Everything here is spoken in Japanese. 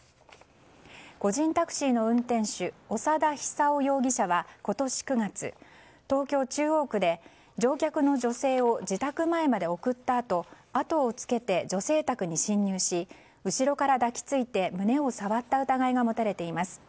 個人タクシーの運転手長田久雄容疑者は今年９月、東京・中央区で乗客の女性を自宅前まで送ったあとあとをつけて女性宅に侵入し後ろから抱き付いて胸を触った疑いが持たれています。